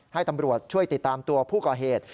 ให้ตำรวจช่วยติดตามตัวผู้ก่อเหตุ